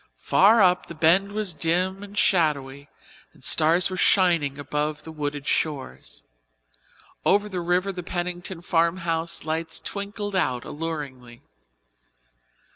Far up the Bend was dim and shadowy and stars were shining above the wooded shores. Over the river the Pennington farmhouse lights twinkled out alluringly.